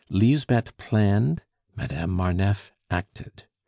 Lisbeth planned, Madame Marneffe acted.